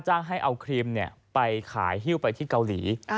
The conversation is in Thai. ให้เอาครีมไปขายฮิ้วไปที่เกาหลี